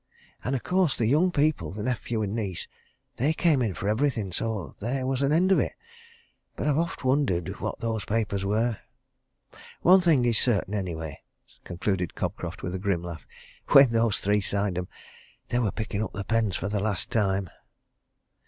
And of course, the young people, the nephew and niece, they came in for everything so there was an end of it. But I've oft wondered what those papers were. One thing is certain, anyway!" concluded Cobcroft, with a grim laugh, "when those three signed 'em, they were picking up their pens for the last time!"